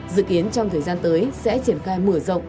dự kiến trong thời gian tới sẽ triển khai mở rộng